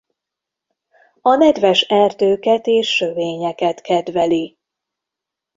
A nedves erdőket és sövényeket kedveli.